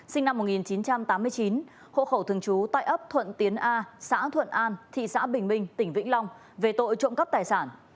sinh năm một nghìn chín trăm tám mươi chín hộ khẩu thường trú tại ấp thuận tiến a xã thuận an thị xã bình minh tỉnh vĩnh long về tội trộm cắp tài sản